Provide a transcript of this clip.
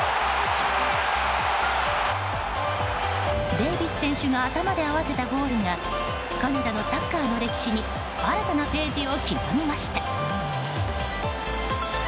デイビス選手が頭で合わせたゴールがカナダのサッカーの歴史に新たなページを刻みました。